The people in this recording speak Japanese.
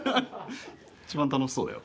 一番楽しそうだよ。